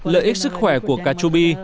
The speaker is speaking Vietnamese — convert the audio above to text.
lợi ích sức khỏe của cà chua bi